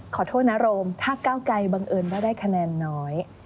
ขอโทษนะโรมถ้าก้าวไกลบังเอิญว่าได้คะแนนน้อย